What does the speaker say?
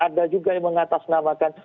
ada juga yang mengatasnamakan